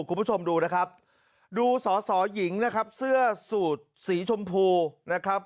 คุณผู้ชมดูนะครับดูสอสอหญิงนะครับเสื้อสูตรสีชมพูนะครับ